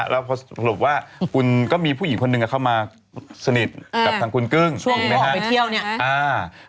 แล้วพอสรุปว่าคุณก็มีผู้หญิงคนหนึ่งเข้ามาสนิทกับทางคุณกึ้งช่วงถูกไหมฮะไปเที่ยวเนี่ย